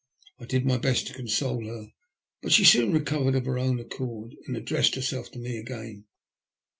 I did my best to console her, but she soon recovered of her own accord, and addressed herself to me again.